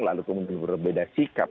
lalu kemudian berbeda sikap